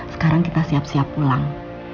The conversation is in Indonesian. sekarang kita siap siap pulang